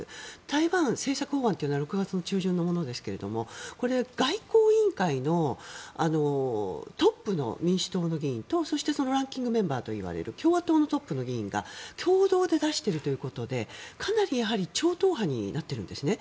台湾政策法案というのは６月中旬のものですがこれ、外交委員会のトップの民主党の議員とそのランキングメンバーといわれる共和党のトップのメンバーが共同で出しているということでかなり超党派になってるんですね。